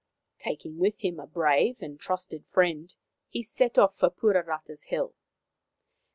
Taking with him a brave and trusted friend, he set off for Puarata's hill.